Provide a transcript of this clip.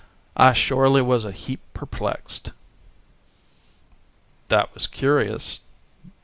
I shorely was a heap perplexed." "That was curious."